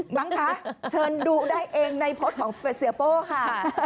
มั้งคะเชิญดูได้เองในโพสต์ของเสียโป้ค่ะ